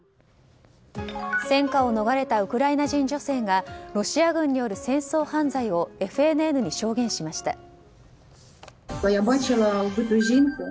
戦火を逃れたウクライナ人女性がロシア軍による戦争犯罪をＦＮＮに証言しました。